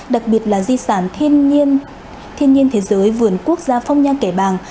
đặc biệt là di sản thiên nhiên thế giới vườn quốc gia phong nha kẻ bàng